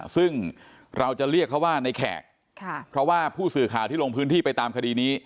ซึ่งเราจะเรียกเขาว่าในแขกเพราะว่าผู้สื่อข่าวที่ลงพื้นที่ไปตามคดีนี้